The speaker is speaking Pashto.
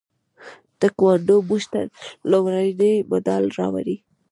تکواندو موږ ته لومړنی مډال راوړ.